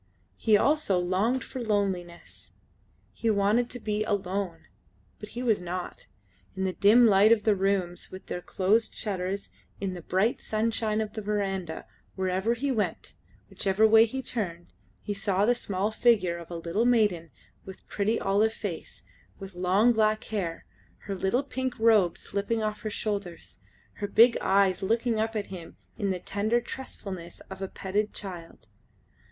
He also longed for loneliness. He wanted to be alone. But he was not. In the dim light of the rooms with their closed shutters, in the bright sunshine of the verandah, wherever he went, whichever way he turned, he saw the small figure of a little maiden with pretty olive face, with long black hair, her little pink robe slipping off her shoulders, her big eyes looking up at him in the tender trustfulness of a petted child.